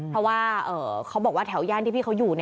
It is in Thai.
เพราะว่าเขาบอกว่าแถวย่านที่พี่เขาอยู่